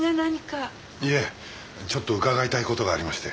いえちょっと伺いたい事がありまして。